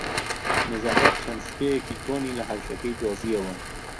مزەفەر چەند سکەیەکی کۆنی لە حەوشەکەی دۆزییەوە.